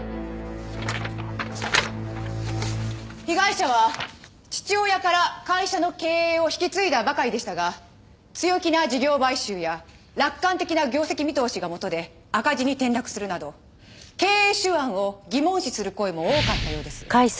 被害者は父親から会社の経営を引き継いだばかりでしたが強気な事業買収や楽観的な業績見通しが元で赤字に転落するなど経営手腕を疑問視する声も多かったようです。